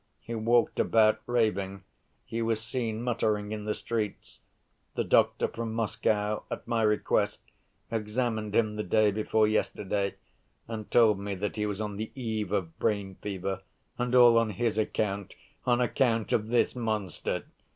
He walked about, raving; he was seen muttering in the streets. The doctor from Moscow, at my request, examined him the day before yesterday and told me that he was on the eve of brain fever—and all on his account, on account of this monster!